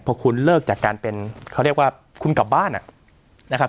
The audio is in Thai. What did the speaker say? พอคุณเลิกจากการเป็นเขาเรียกว่าคุณกลับบ้านนะครับ